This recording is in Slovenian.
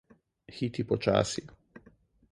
Hiti počasi.